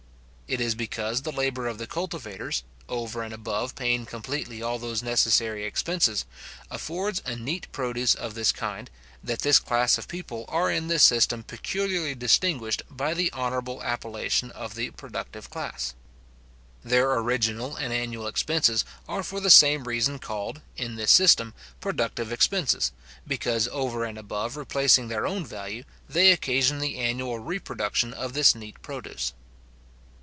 It is because the labour of the cultivators, over and above paying completely all those necessary expenses, affords a neat produce of this kind, that this class of people are in this system peculiarly distinguished by the honourable appellation of the productive class. Their original and annual expenses are for the same reason called, In this system, productive expenses, because, over and above replacing their own value, they occasion the annual reproduction of this neat produce.